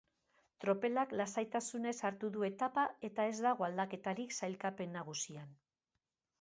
Tropelak lasaitasunez hartu du etapa eta ez dago aldaketarik sailkapen nagusian.